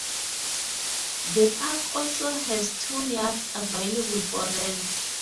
The park also has two yurts available for rent.